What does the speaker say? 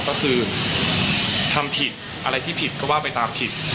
ก็คือทำผิดอะไรที่ผิดก็ว่าไปตามผิด